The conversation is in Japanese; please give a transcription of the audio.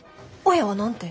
親は何て？